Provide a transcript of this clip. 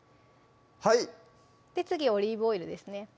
はい次オリーブオイルですね